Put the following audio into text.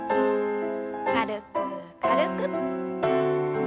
軽く軽く。